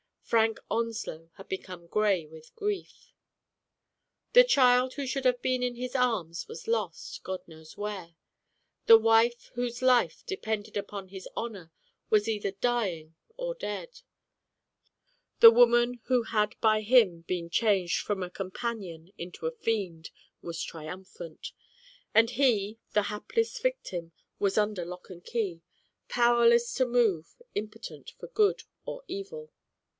Frank Onslow had become gray with grief. The child who should have been in his arms was lost, God knows where. The wife whose life depended upon his honor was either dying or dead. The woman who had by him been changed from a companion into a fiend was tri umphant. And he, the hapless victim, was under lock and key, powerless to move, impotent for good or evil.